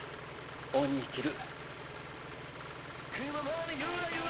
恩に着る。